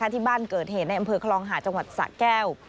ที่บ้านเกิดเหตุในอำเภอคลองหาดจังหวัดสะแก้ว